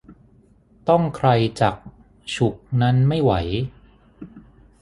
ต้องใครจักฉุกนั้นไม่ไหว